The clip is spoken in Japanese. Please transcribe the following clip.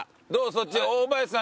そっち大林さんと。